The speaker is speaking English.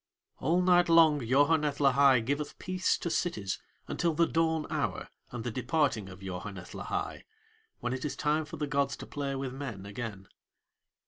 All night long Yoharneth Lahai giveth peace to cities until the dawn hour and the departing of Yoharneth Lahai, when it is time for the gods to play with men again.